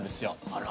あら？